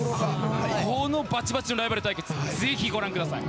このバチバチのライバル対決ぜひご覧ください。